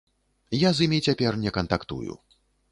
Я з імі цяпер не кантактую.